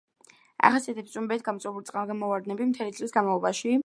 ახასიათებს წვიმებით გამოწვეული წყალმოვარდნები მთელი წლის განმავლობაში.